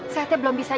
saya tadi belum bisa